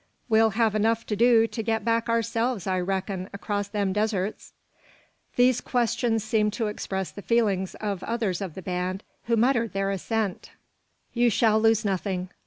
We'll have enough to do to get back ourselves, I reckon, across them deserts." These questions seemed to express the feelings of others of the band, who muttered their assent. "You shall lose nothing.